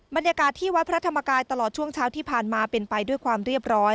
บรรยากาศที่วัดพระธรรมกายตลอดช่วงเช้าที่ผ่านมาเป็นไปด้วยความเรียบร้อย